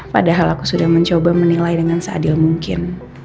padahal aku sudah mencoba menilai dengan seadil mungkin